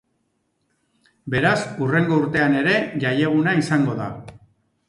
Beraz, hurrengo urtean ere jaieguna izango da.